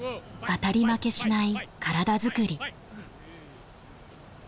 当たり負けしない体作り。